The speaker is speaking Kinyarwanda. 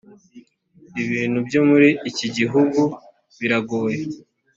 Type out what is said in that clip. ibintu byo muri iki gihugu biragoye